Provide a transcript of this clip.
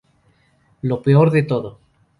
Lo Peor de Todo.